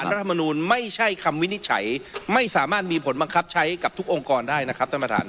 รัฐมนูลไม่ใช่คำวินิจฉัยไม่สามารถมีผลบังคับใช้กับทุกองค์กรได้นะครับท่านประธาน